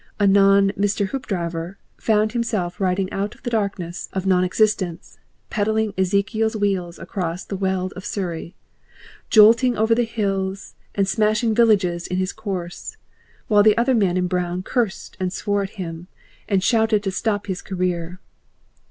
Anon Mr. Hoopdriver found himself riding out of the darkness of non existence, pedalling Ezekiel's Wheels across the Weald of Surrey, jolting over the hills and smashing villages in his course, while the other man in brown cursed and swore at him and shouted to stop his career.